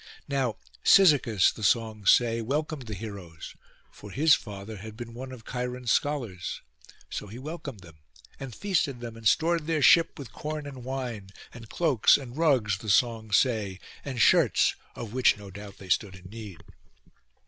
Now Cyzicus, the songs say, welcomed the heroes, for his father had been one of Cheiron's scholars; so he welcomed them, and feasted them, and stored their ship with corn and wine, and cloaks and rugs, the songs say, and shirts, of which no doubt they stood in need.